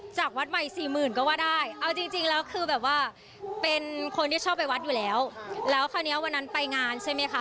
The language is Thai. จริงแล้วคือแบบว่าเป็นคนที่ชอบไปวัดอยู่แล้วแล้วคราวนี้วันนั้นไปงานใช่ไหมคะ